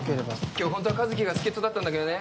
今日ほんとは和希が助っ人だったんだけどね